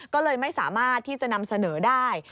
ก็เลยไม่สามารถที่จะนำเสนอได้